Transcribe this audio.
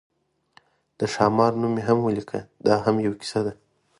د خامار نوم مې هم ولیکه، دا هم یوه کیسه وه.